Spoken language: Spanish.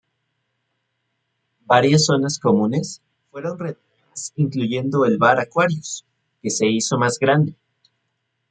Varias zonas comunes fueron renovadas incluyendo el bar Aquarius, que se hizo más grande.